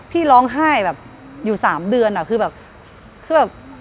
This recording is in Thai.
พี่ร้องไห้อยู่๓เดือนคือแบบ